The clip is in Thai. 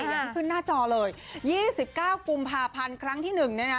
อย่างที่ขึ้นหน้าจอเลย๒๙กุมภาพันธ์ครั้งที่๑เนี่ยนะ